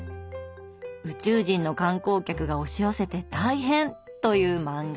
宇宙人の観光客が押し寄せて大変！という漫画。